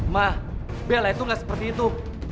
ma bella itu gak seperti itu